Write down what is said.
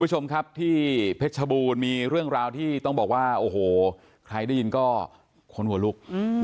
คุณผู้ชมครับที่เพชรชบูรณ์มีเรื่องราวที่ต้องบอกว่าโอ้โหใครได้ยินก็คนหัวลุก